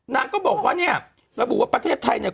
นางก็บอกว่าเนี่ยระบุว่าประเทศไทยเนี่ย